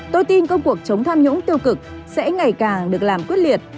tôi tin công cuộc chống tham nhũng tiêu cực sẽ ngày càng được làm quyết liệt